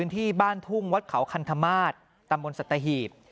ที่บ้านทุ่งวัดเขาคันธมาศตำบลสัตหีบ